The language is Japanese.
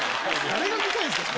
誰が見たいんですか。